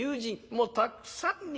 もうたくさんに。